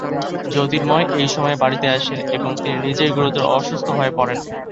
জ্যোতির্ময় এই সময়ে বাড়িতে আসেন এবং তিনি নিজেই গুরুতর অসুস্থ হয়ে পড়েন।